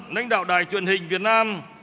nánh đạo đài truyền hình việt nam